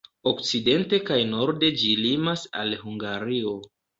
Okcidente kaj norde ĝi limas al Hungario.